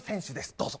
どうぞ。